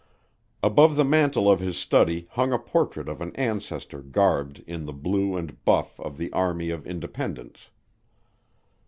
Above the mantel of his study hung a portrait of an ancestor garbed in the blue and buff of the army of Independence.